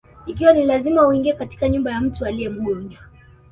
Ikiwa ni lazima uingie katika nyumba ya mtu aliye mgonjwa: